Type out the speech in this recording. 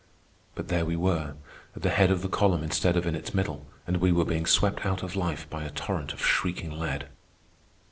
But there we were, at the head of the column instead of in its middle, and we were being swept out of life by a torrent of shrieking lead.